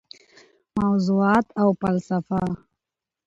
موضوعات او فلسفه: